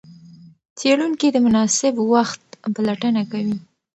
څېړونکي د مناسب وخت پلټنه کوي.